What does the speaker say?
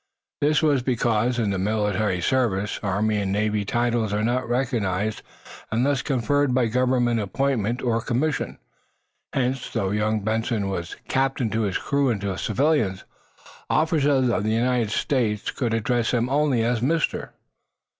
This was because, in the military service, Army and Navy titles are not recognized unless conferred by government appointment or commission. Hence, though young Benson was "captain" to his crew and to civilians, officers of the United Service could address, him only as "mister."